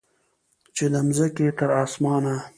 چې د مځکې تر اسمانه